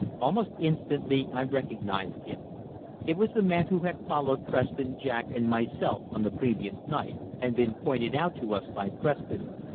Almost instantly I recognized him. It was the man who had followed Preston, Jack, and myself on the previous night, and been pointed out to us by Preston.